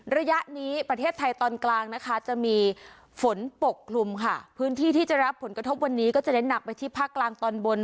ระยะนี้ประเทศไทยตอนกลางนะคะจะมีฝนปกคลุมค่ะพื้นที่ที่จะรับผลกระทบวันนี้ก็จะเน้นหนักไปที่ภาคกลางตอนบน